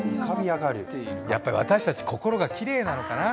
やっぱり私たち、心がきれいなのかな？